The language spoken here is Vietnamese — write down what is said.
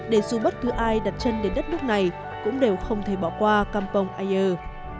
để dù bất cứ ai đặt chân đến đất nước này cũng đều không thể bỏ qua campong aier